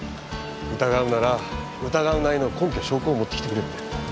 疑うなら疑うなりの根拠証拠を持ってきてくれって。